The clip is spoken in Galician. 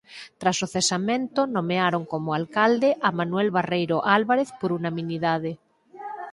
Tras o cesamento nomearon como alcalde a Manuel Barreiro Álvarez por unanimidade.